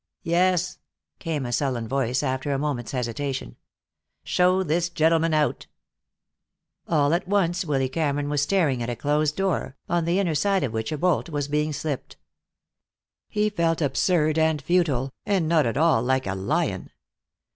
"Yes," came a sullen voice, after a moment's hesitation. "Show this gentleman out." All at once Willy Cameron was staring at a closed door, on the inner side of which a bolt was being slipped. He felt absurd and futile, and not at all like a lion.